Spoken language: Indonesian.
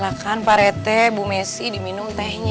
ya kan pak rt bu messi diminum tehnya